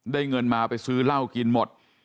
เงินมาไปซื้อเหล้ากินหมด